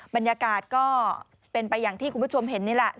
บรรยากาศก็เป็นไปอย่างที่คุณผู้ชมเห็นนี่แหละ